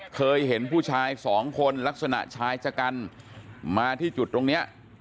เคยเห็นผู้ชายสองคนลักษณะชายชะกันมาที่จุดตรงนี้